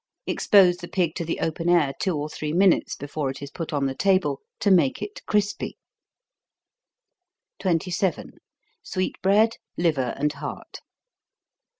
Expose the pig to the open air two or three minutes, before it is put on the table, to make it crispy. 27. _Sweet Bread, Liver, and Heart.